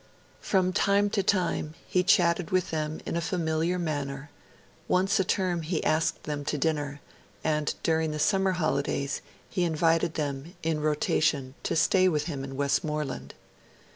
From time to time, he chatted with them in a familiar manner; once a term he asked them to dinner; and during the summer holidays he invited them, in rotation, to stay with him in Westmorland.